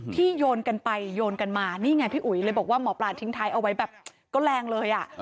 โยนกันไปโยนกันมานี่ไงพี่อุ๋ยเลยบอกว่าหมอปลาทิ้งท้ายเอาไว้แบบก็แรงเลย